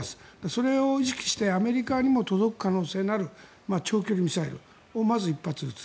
それを意識してアメリカにも届く可能性のある長距離ミサイルをまず１発撃つ。